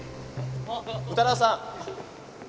宇多田さん。